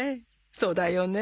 そうだよね。